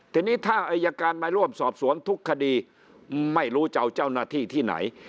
ทีนี้ถ้าอายการมาร่วมสอบสวนทุกคดีไม่รู้จะเอาเจ้าหน้าที่ที่ไหน